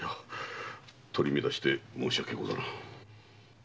取り乱して申し訳ござらん。